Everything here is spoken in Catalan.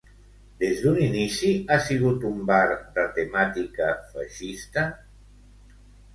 Des d'un inici ha sigut un bar de temàtica feixista?